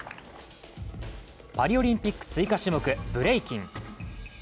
パリオリンピック追加種目、ブレイキン。